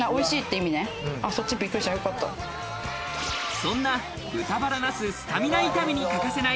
そんな豚バラなすスタミナ炒めに欠かせない、